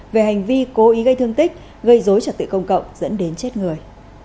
về hành vi cố ý gây thương tích gây dối trật tự công cộng dẫn đến chết người